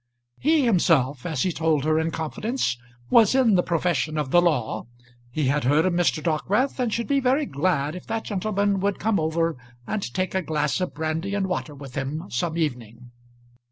He himself, as he told her in confidence, was in the profession of the law; he had heard of Mr. Dockwrath, and should be very glad if that gentleman would come over and take a glass of brandy and water with him some evening.